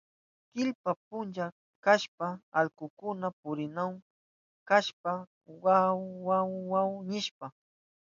Killa puncha kashpan allkukuna purinahun kasashpa aw, aw, aw nishpa.